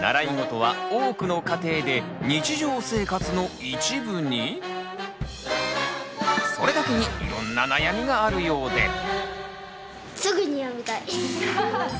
習い事は多くの家庭で日常生活の一部に⁉それだけにいろんな悩みがあるようで。